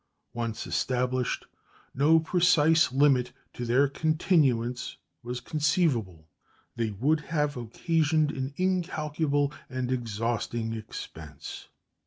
Once established, no precise limit to their continuance was conceivable. They would have occasioned an incalculable and exhausting expense.